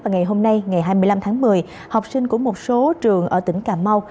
ngày hôm nay ngày hai mươi năm tháng một mươi học sinh của một số trường ở tỉnh cà mau